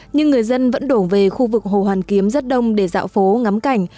nhưng người dân vẫn đổ về khu vực hồ hoàn kiếm rất đông để dạo phố ngắm cảnh